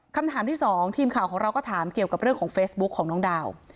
คำถามที่สองทีมข่าวของเราก็ถามเกี่ยวกับเรื่องของเฟซบุ๊คของน้องดาว